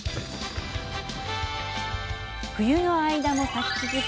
冬の間も、咲き続け